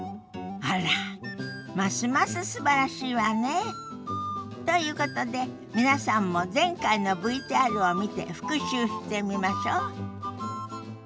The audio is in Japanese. あらますますすばらしいわね！ということで皆さんも前回のＶＴＲを見て復習してみましょ。